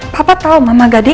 papa tau mama gadein